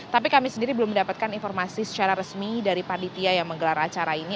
tapi kami sendiri belum mendapatkan informasi secara resmi dari panitia yang menggelar acara ini